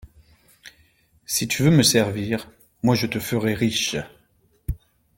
Si tu veux me servir, moi je te ferai riche.